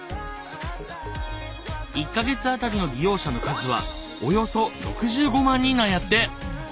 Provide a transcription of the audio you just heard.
１か月当たりの利用者の数はおよそ６５万人なんやって！